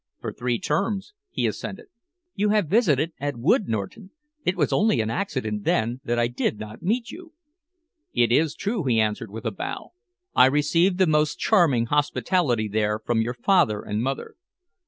"For three terms," he assented. "You have visited at Wood Norton. It was only an accident, then, that I did not meet you." "It is true," he answered, with a bow. "I received the most charming hospitality there from your father and mother."